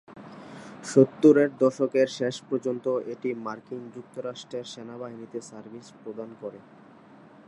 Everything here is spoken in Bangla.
সত্তরের দশকের শেষ পর্যন্ত এটি মার্কিন যুক্তরাষ্ট্রের সেনাবাহিনীতে সার্ভিস প্রদান করে।